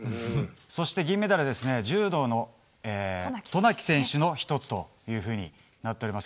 そして銀メダルは柔道の渡名喜選手の１つとなっております。